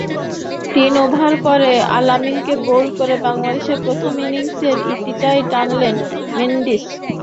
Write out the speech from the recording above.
তিন ওভার পরে আল-আমিনকে বোল্ড করে বাংলাদেশের প্রথম ইনিংসের ইতিটাও টেনেছেন মেন্ডিস।